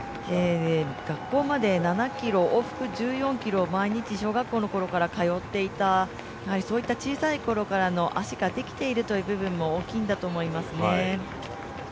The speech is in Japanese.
学校まで７ｋｍ、往復１４ｋｍを毎日小学校のころから通っていた、そういった小さいころからの足ができているという部分も大きいんだと思いますね。